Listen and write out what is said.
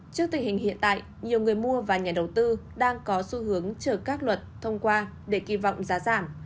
trước tình hình hiện tại nhiều người mua và nhà đầu tư đang có xu hướng chờ các luật thông qua để kỳ vọng giá giảm